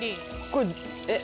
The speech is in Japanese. これえっ？